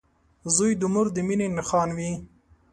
• زوی د مور د مینې نښان وي.